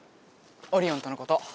オリオンとのこと。